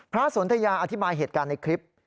สนทยาอธิบายเหตุการณ์ในคลิป